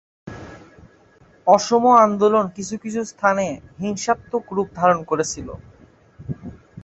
অসম আন্দোলন কিছু কিছু স্থানে হিংসাত্মক রূপ ধারণ করেছিল।